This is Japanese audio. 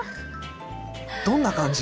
どんな感じ？